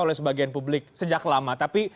oleh sebagian publik sejak lama tapi